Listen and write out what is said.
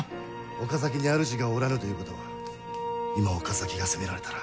岡崎にあるじがおらぬということは今岡崎が攻められたら。